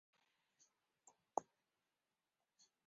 美国新线电影公司出品。